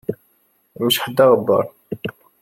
Imceḥ-d aɣebbar.